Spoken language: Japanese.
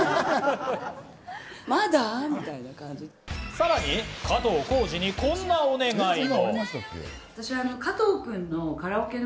さらに、加藤浩次にこんなお願いも。